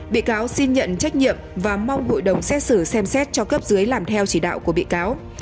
bị cáo xin nhận trách nhiệm và mong hội đồng xét xử xem xét cho cấp dưới làm theo chỉ đạo của bị cáo